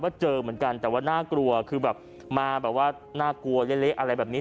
ก็เจอเหมือนกันแต่ว่าน่ากลัวคือแบบมาแบบว่าน่ากลัวเละอะไรแบบนี้